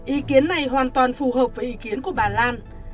ý kiến này hoàn toàn phù hợp với ý kiến của bà lan